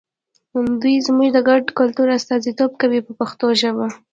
دوی زموږ د ګډ کلتور استازیتوب کوي په پښتو ژبه.